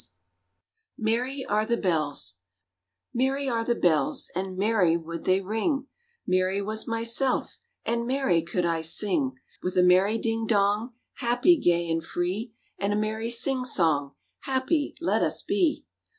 _ MERRY ARE THE BELLS Merry are the bells, and merry would they ring, Merry was myself, and merry could I sing; With a merry ding dong, happy, gay, and free, And a merry sing song, happy let us be!